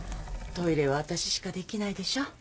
トイレは私しかできないでしょ？